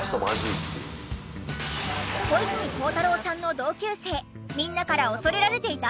小泉孝太郎さんの同級生みんなから恐れられていた！？